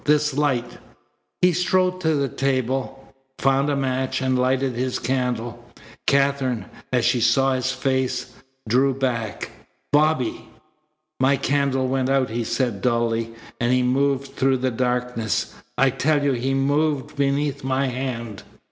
This light " He strode to the table, found a match, and lighted his candle. Katherine, as she saw his face, drew back. "Bobby!" "My candle went out," he said dully, "and he moved through the darkness. I tell you he moved beneath my hand."